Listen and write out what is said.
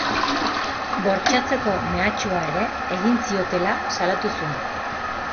Bortxatzeko mehatxua ere egin ziotela salatu zuen.